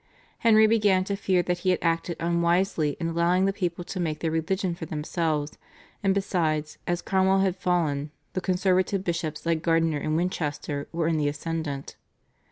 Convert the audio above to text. Henry began to fear that he had acted unwisely in allowing the people to make their religion for themselves, and besides, as Cromwell had fallen, the conservative bishops like Gardiner of Winchester were in the ascendant.